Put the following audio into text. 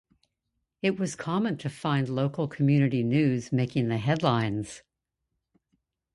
It was common to find local community news making the headlines.